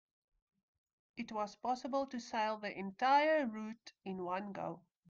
It was possible to sail the entire route in one go.